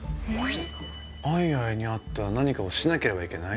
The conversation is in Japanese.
アイアイに会ったら何かをしなければいけない？